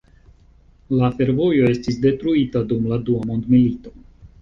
La fervojo estis detruita dum la Dua Mondmilito.